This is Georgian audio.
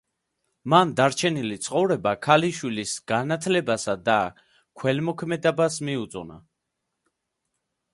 მან დარჩენილი ცხოვრება ქალიშვილის განათლებასა და ქველმოქმედებას მიუძღვნა.